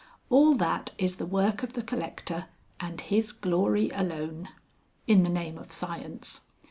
All that is the work of the collector and his glory alone. In the name of Science.